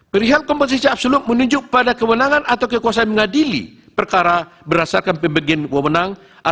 perihal kompetensi absolut menunjuk pada kewenangan atau kekuasaan mengadili perkara berdasarkan pembegin kewenangan